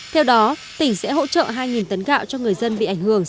theo đó tỉnh sẽ hỗ trợ hai tấn gạo cho người dân bị ảnh hưởng